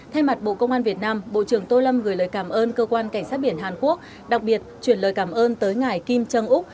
thay mặt bộ công an việt nam bộ trưởng tô lâm gửi lời cảm ơn cơ quan cảnh sát biển hàn quốc đặc biệt chuyển lời cảm ơn tới ngài kim trân úc